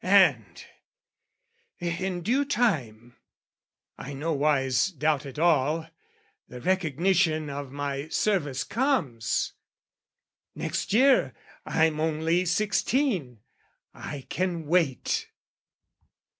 "And, in due time, I nowise doubt at all, "The recognition of my service comes. "Next year I'm only sixteen. I can wait."